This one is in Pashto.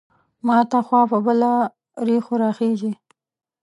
ماته خوا به له رېښو راخېژي.